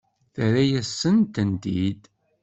Terra-yasent-tent-id.